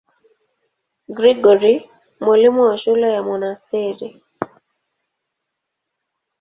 Gregori, mwalimu wa shule ya monasteri.